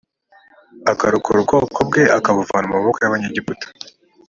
akarokora ubwoko bwe akabuvana mu maboko y abanyegiputa